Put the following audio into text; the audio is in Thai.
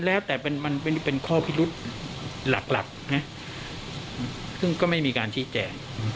แล้วแต่มันเป็นข้อพิรุษหลักนะซึ่งก็ไม่มีการชี้แจง